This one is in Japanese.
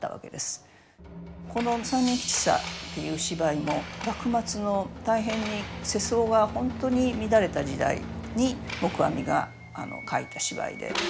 この「三人吉三」っていう芝居も幕末の大変に世相が本当に乱れた時代に黙阿弥が書いた芝居で。